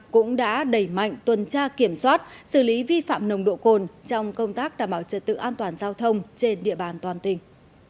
cũng đã đẩy mạnh tuần tra kiểm soát xử lý vi phạm nồng độ cồn trong công tác đảm bảo trật tự an toàn giao thông trên địa bàn toàn tỉnh